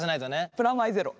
プラマイゼロ。